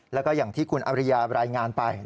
แล้วก็อย่างที่คุณอริยารายงานไป